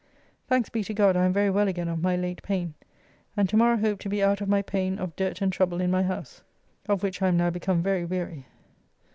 Thanks be to God I am very well again of my late pain, and to morrow hope to be out of my pain of dirt and trouble in my house, of which I am now become very weary.